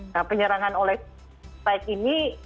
nah penyerangan oleh spike ini